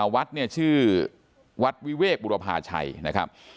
วัดเนี่ยชื่อวัดวิเวกบุรพาชัยนะครับ